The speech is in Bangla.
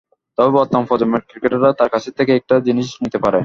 তবে বর্তমান প্রজন্মের ক্রিকেটাররা তাঁর কাছ থেকে একটা জিনিস নিতে পারে।